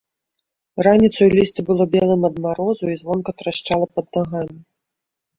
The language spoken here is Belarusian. Раніцаю лісце было белым ад марозу і звонка трашчала пад нагамі.